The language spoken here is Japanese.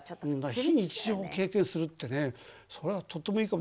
非日常を経験するってねそれはとってもいいかも。